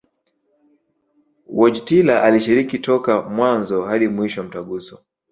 Wojtyla alishiriki toka mwanzo hadi mwisho Mtaguso